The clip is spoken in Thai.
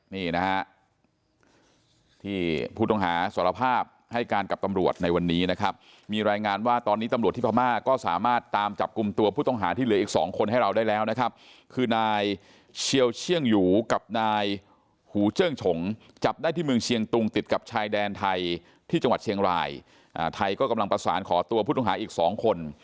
นี่นะฮะที่ผู้ต้องหาสารภาพให้การกับตำรวจในวันนี้นะครับมีรายงานว่าตอนนี้ตำรวจที่พม่าก็สามารถตามจับกลุ่มตัวผู้ต้องหาที่เหลืออีกสองคนให้เราได้แล้วนะครับคือนายเชียวเชื่องหยูกับนายหูเจิ้งฉงจับได้ที่เมืองเชียงตุงติดกับชายแดนไทยที่จังหวัดเชียงรายไทยก็กำลังประสานขอตัวผู้ต้องหาอีกสองคน